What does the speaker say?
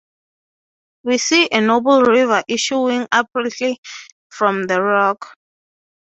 We see a noble river issuing abruptly from the rock.